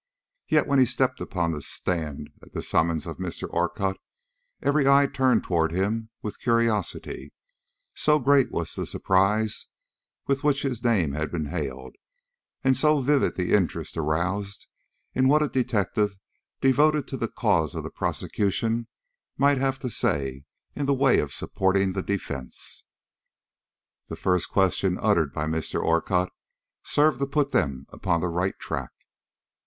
Yet, when he stepped upon the stand at the summons of Mr. Orcutt, every eye turned toward him with curiosity, so great was the surprise with which his name had been hailed, and so vivid the interest aroused in what a detective devoted to the cause of the prosecution might have to say in the way of supporting the defence. The first question uttered by Mr. Orcutt served to put them upon the right track.